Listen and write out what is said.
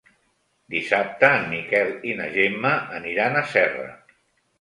Dissabte en Miquel i na Gemma aniran a Serra.